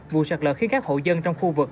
vụ sạt lở khiến các hộ dân trong khu vực